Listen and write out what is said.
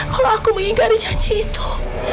kalau aku mengigari janji itu